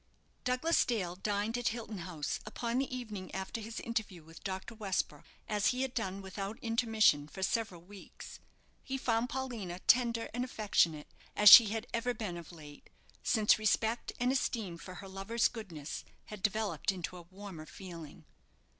Douglas Dale dined at Hilton House upon the evening after his interview with Dr. Westbrook, as he had done without intermission for several weeks. He found Paulina tender and affectionate, as she had ever been of late, since respect and esteem for her lover's goodness had developed into a warmer feeling.